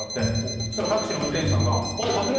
そしたらタクシーの運転手さんが。